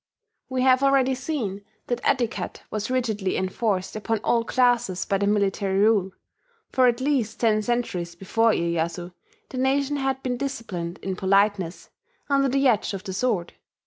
We have already seen that etiquette was rigidly enforced upon all classes by the military rule: for at least ten centuries before Iyeyasu, the nation had been disciplined in politeness, under the edge of the sword.